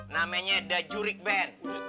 namanya da jurik band